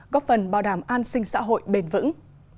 góp phần bảo đảm an sinh xã hội bền vững